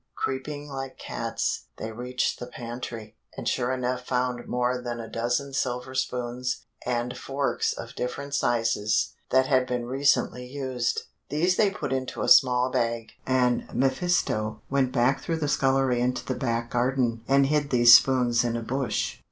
Creeping like cats, they reached the pantry, and sure enough found more than a dozen silver spoons and forks of different sizes that had been recently used. These they put into a small bag, and mephisto went back through the scullery into the back garden and hid these spoons in a bush.